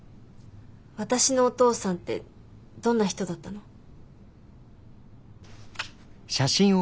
私のお父さんってどんな人だったの？